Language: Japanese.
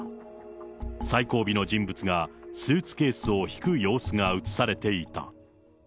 最後尾の人物がスーツケースを引く様子が写されていた。